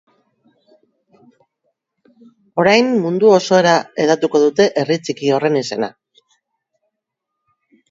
Orain, mundu osora hedatuko dute herri txiki horren izena.